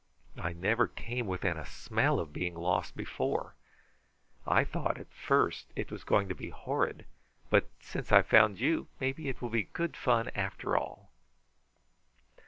I never came within a smell of being lost before. I thought, at first, it was going to be horrid; but since I've found you, maybe it will be good fun after all."